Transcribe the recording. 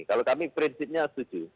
kalau kami prinsipnya setuju